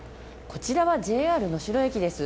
こちらはＪＲ能代駅です。